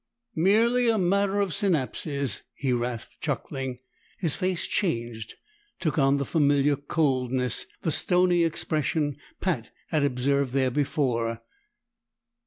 "Merely a matter of synapses," he rasped, chuckling. His face changed, took on the familiar coldness, the stony expression Pat had observed there before.